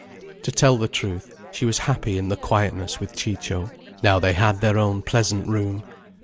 To tell the truth, she was happy in the quietness with Ciccio, now they had their own pleasant room.